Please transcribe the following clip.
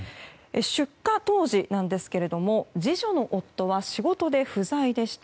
出火当時ですが次女の夫は仕事で不在でした。